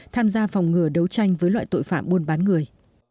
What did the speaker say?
tham gia phòng ngừa đấu tranh với loại tội phạm buôn bán người